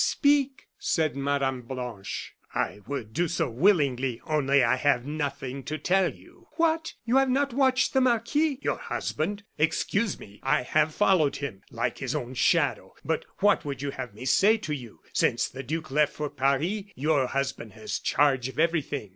"Speak!" said Mme. Blanche. "I would do so willingly, only I have nothing to tell you." "What! you have not watched the marquis?" "Your husband? Excuse me, I have followed him; like his own shadow. But what would you have me say to you; since the duke left for Paris, your husband has charge of everything.